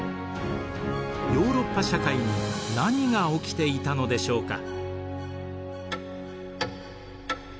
ヨーロッパ社会に何が起きていたのでしょうか。